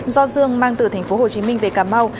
do dương mang từ tp hồ chí minh về cà mau